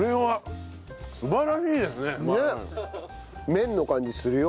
麺の感じするよ。